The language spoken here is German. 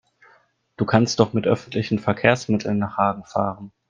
Du kannst doch mit öffentlichen Verkehrsmitteln nach Hagen fahren